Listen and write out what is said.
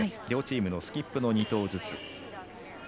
両チームのスキップの２投ずつ。